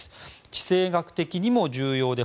地政学的にも重要で